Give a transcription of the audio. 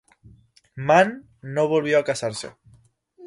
Mann no volvió a casarse.